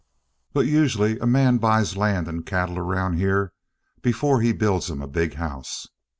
But most usually a man buys land and cattle around here before he builds him a big house.